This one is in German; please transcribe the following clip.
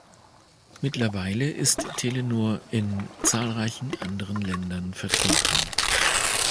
Mittlerweile ist Telenor in zahlreichen anderen Ländern vertreten.